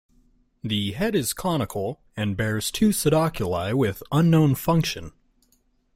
The head is conical, and bears two pseudoculi with unknown function.